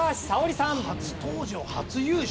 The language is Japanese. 初登場初優勝？